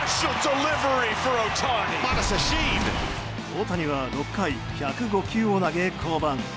大谷は６回１０５球を投げ降板。